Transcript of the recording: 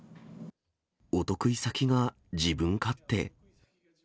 お得意先が自分勝手。